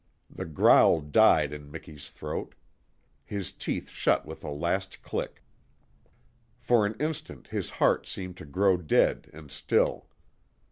The growl died in Miki's throat. His teeth shut with a last click. For an instant his heart seemed to grow dead and still.